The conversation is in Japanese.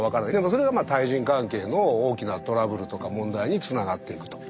それが対人関係の大きなトラブルとか問題につながっていくと。